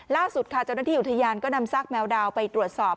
ล่าสุดค่ะเจ้าหน้าที่อุทยานก็นำซากแมวดาวไปตรวจสอบ